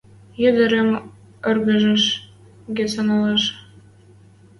Ӹдӹрӹм ӧрдӹж гӹц анжалеш.